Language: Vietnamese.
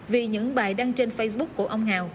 vì những bài đăng trên facebook của ông hào